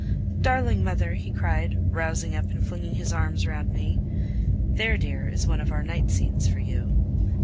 "Darling mother!" he cried, rousing up and flinging his arms round me. There, dear, is one of our night scenes for you.